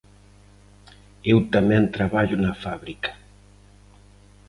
_Eu tamén traballo na fábrica.